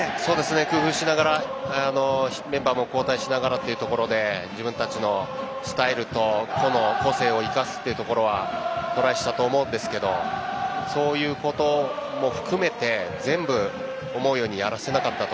工夫しながらメンバーも交代しながらというところで自分たちのスタイルと個性を生かすところはトライしたと思うんですけどそういうことも含めて全部思うようにやらせなかった。